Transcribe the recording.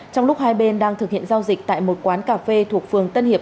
trong lúc hai bên đang thực hiện giao dịch tại một quán cà phê thuộc phường tân hiệp